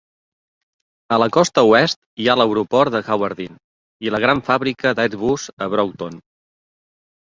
A la costa oest hi ha l'aeroport de Hawarden i la gran fàbrica d'Airbus a Broughton.